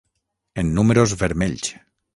En números vermells.